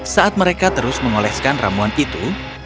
saat mereka terus mengoleskan ramuan itu